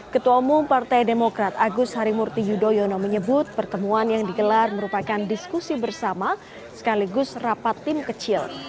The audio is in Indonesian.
ketua umum partai demokrat agus harimurti yudhoyono menyebut pertemuan yang digelar merupakan diskusi bersama sekaligus rapat tim kecil